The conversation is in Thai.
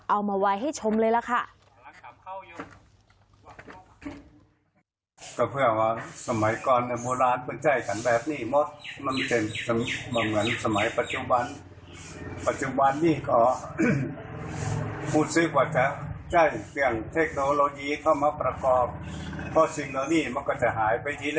เอามาไว้ให้ชมเลยล่ะค่ะ